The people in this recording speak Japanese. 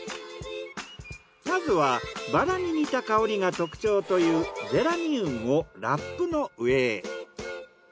まずはバラに似た香りが特徴というゼラニウムをラップの上へ。